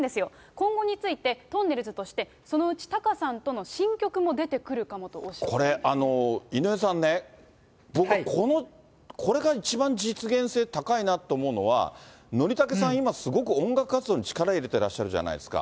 今後について、とんねるずとして、そのうちタカさんとの新曲も出てこれ、井上さんね、僕はこれが一番実現性高いなと思うのは、憲武さん、今、すごく音楽活動、力入れてらっしゃるじゃないですか。